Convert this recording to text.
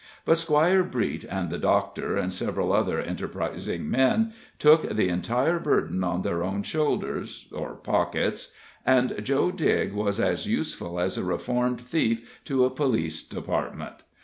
But Squire Breet, and the doctor, and several other enterprising men, took the entire burden on their own shoulders or pockets and Joe Digg was as useful as a reformed thief to a police department.